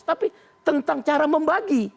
tapi tentang cara membagi